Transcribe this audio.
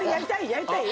やりたい？